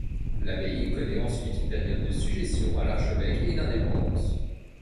L'abbaye connait ensuite une période de sujétion à l'archevêque et d'indépendance.